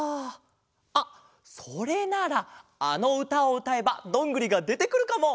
あっそれならあのうたをうたえばどんぐりがでてくるかも。